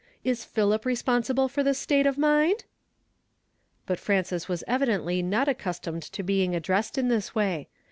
Is Philip re sponsible for this state of mind ?" Hut Frances was evidently not accustomed to bcrng addressed in this way.